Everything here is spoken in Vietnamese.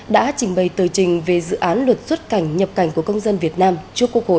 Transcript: đã trình bày tờ trình về dự án luật xuất cảnh nhập cảnh của công dân việt nam trước quốc hội